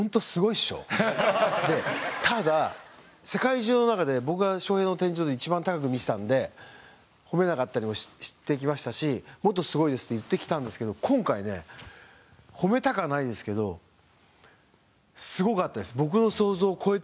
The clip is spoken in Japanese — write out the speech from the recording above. でただ世界中の中で僕が翔平の天井一番高く見てたんで褒めなかったりもしてきましたし「もっとすごいです」と言ってきたんですけど今回ね褒めたくはないんですけどすごかったです。